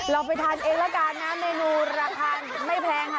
ไปทานเองแล้วกันนะเมนูราคาไม่แพงค่ะ